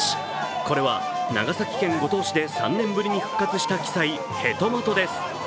これは長崎県五島市で３年ぶりに復活した奇祭ヘトマトです。